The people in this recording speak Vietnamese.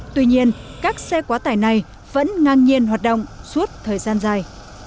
tuy nhiên các xe quá tải này vẫn ngang nhiên hoạt động suốt thời gian dài